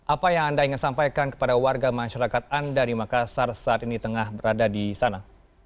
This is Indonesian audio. apa yang anda ingin sampaikan kepada warga masyarakat anda di makassar saat ini tengah berada di sana